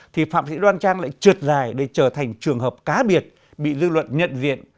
thì phạm thị đoan trang lại trượt dài để trở thành trường hợp cá biệt bị dư luận nhận diện